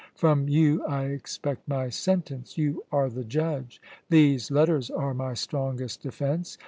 From you I expect my sentence. You are the judge. These letters are my strongest defence.